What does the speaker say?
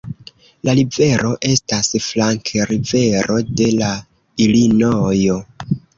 La rivero estas flankrivero de la Ilinojo.